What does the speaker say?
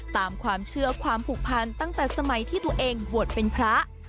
ตามความเชื่อความผูกพันตั้งแต่สมัยที่ตัวเองบวชเป็นพระ